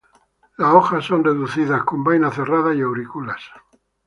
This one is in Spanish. Las hojas son reducidas, con vaina cerrada y aurículas.